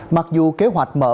mặc dù kế hoạch mở